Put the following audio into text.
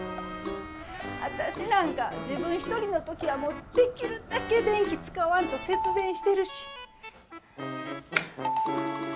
私なんか、自分１人のときは、できるだけ電気使わんと節電してるし。